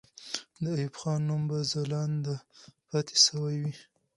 د ایوب خان نوم به ځلانده پاتې سوی وي.